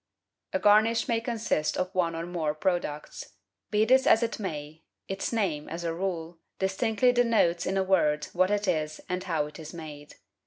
A garnish may consist of one or more products. Be this as it may, its name, as a rule, distinctly denotes, in a word, what it is and how it is made.